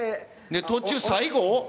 途中、最後？